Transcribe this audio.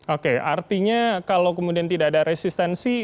oke artinya kalau kemudian tidak ada resistensi